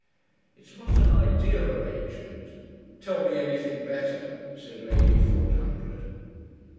"It's not an ideal arrangement." "Tell me anything better," said Lady Forthundred.